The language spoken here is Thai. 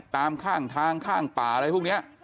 ตามข้างทางข้างป่าอะไรพวกนี้